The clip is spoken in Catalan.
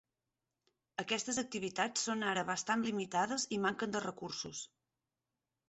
Aquestes activitats són ara bastant limitades i manquen de recursos.